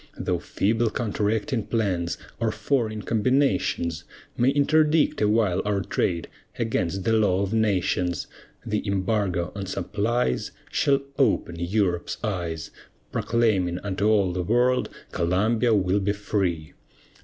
Though feeble counteracting plans, or foreign combinations, May interdict awhile our trade, against the law of nations, The embargo on supplies Shall open Europe's eyes; Proclaiming unto all the world, "Columbia will be free."